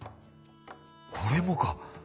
これもか。